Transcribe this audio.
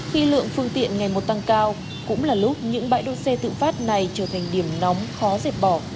khi lượng phương tiện ngày một tăng cao cũng là lúc những bãi đô xe tự phát này trở thành điểm nóng khó dẹp bỏ